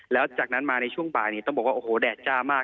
แล้วจากนั้นมาในช่วงบ่ายนี้ต้องบอกว่าโอ้โหแดดจ้ามาก